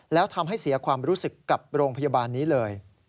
แล้วทำให้เสียความรู้สึกกับโรงพยาบาลนี้เลย